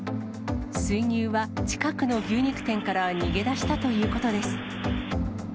水牛は近くの牛肉店から逃げ出したということです。